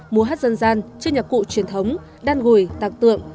mùa hát dân gian chơi nhạc cụ truyền thống đan gùi tạc tượng